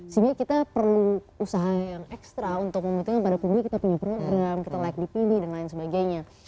sehingga kita perlu usaha yang ekstra untuk memutuhkan pada publik kita punya perangkat dalam kita like di pilih dan lain sebagainya